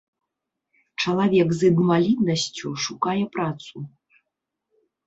Чалавек з інваліднасцю шукае працу.